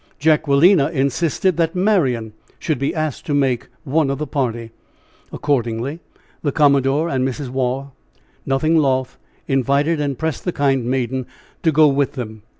Jacquelina insisted that Marian should be asked to make one of the party. Accordingly, the commodore and Mrs. Waugh, nothing loth, invited and pressed the kind maiden to go with them.